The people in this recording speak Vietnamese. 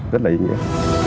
rất là ý nghĩa